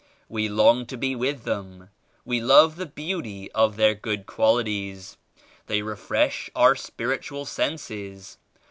We long to be with them. We love the beauty of their good qualities. They refresh our spiritual senses.